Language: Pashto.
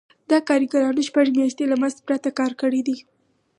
دا کارګرانو شپږ میاشتې له مزد پرته کار کړی دی